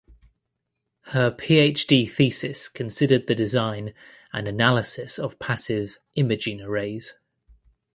Her PhD thesis considered the design and analysis of passive imaging arrays.